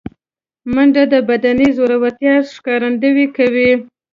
منډه د بدني زړورتیا ښکارندویي کوي